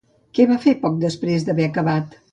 Què va fer poc després d'haver acabat?